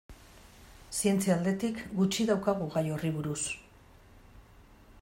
Zientzia aldetik gutxi daukagu gai horri buruz.